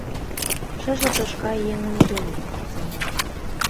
«Шыже тошка еҥын йолым», — ойлат.